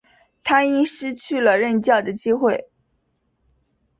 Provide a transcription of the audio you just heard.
他因而失去了任教的机会。